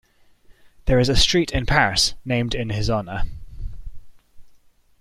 There is a street in Paris named in his honor.